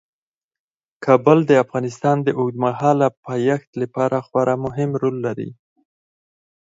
کابل د افغانستان د اوږدمهاله پایښت لپاره خورا مهم رول لري.